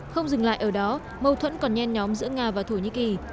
không dừng lại ở đó mâu thuẫn còn nhen nhóm giữa nga và thổ nhĩ kỳ